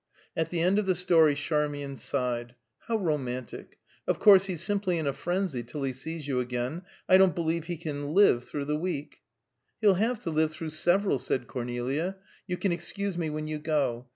At the end of the story Charmian sighed, "How romantic! Of course, he's simply in a frenzy till he sees you again. I don't believe he can live through the week." "He'll have to live through several," said Cornelia; "You can excuse me when you go.